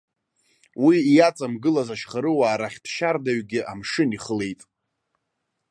Уи иаҵамгылаз ашьхарыуаа рахьтә шьардаҩгьы амшын ихылеит.